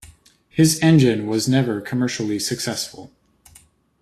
His engine was never commercially successful.